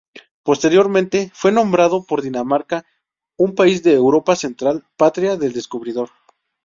Posteriormente fue nombrado por Dinamarca, un país de Europa Central, patria del descubridor.